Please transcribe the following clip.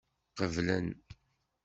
Qeblen.